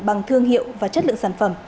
bằng thương hiệu và chất lượng sản phẩm